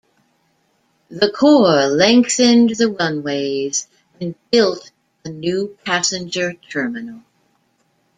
The Corps lengthened the runways and built a new passenger terminal.